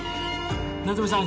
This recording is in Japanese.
夏梅さん